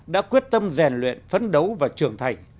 đã quyết tâm rèn luyện phấn đấu và trưởng thành